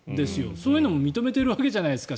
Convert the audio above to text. そういうのも認めてるわけじゃないですか。